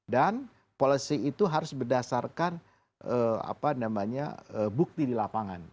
dan policy itu harus berdasarkan bukti di lapangan